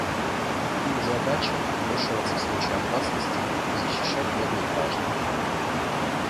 Их задача — вмешиваться в случае опасности и защищать мирных граждан.